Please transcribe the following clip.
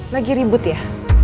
lagi ribut ya